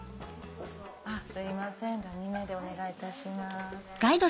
すいません２名でお願いいたします。